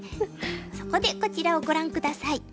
そこでこちらをご覧下さい。